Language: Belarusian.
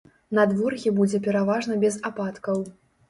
Надвор'е будзе пераважна без ападкаў.